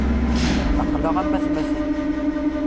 Aql-aɣ am atmaten.